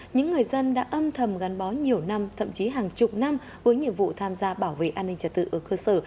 những người dân đã âm thầm gắn bó nhiều năm thậm chí hàng chục năm với nhiệm vụ tham gia bảo vệ an ninh trật tự ở cơ sở